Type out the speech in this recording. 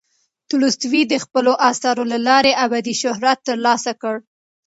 تولستوی د خپلو اثارو له لارې ابدي شهرت ترلاسه کړ.